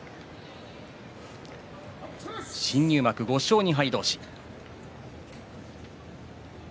新入幕５勝２敗同士。